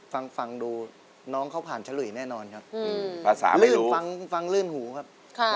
ฟังดูน้องเขาผ่านชะลุยแน่นอนครับฟังลื่นหูครับ